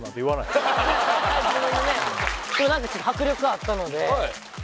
何かちょっと迫力あったのではい